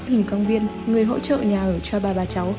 huỳnh công viên người hỗ trợ nhà ở cho ba bà cháu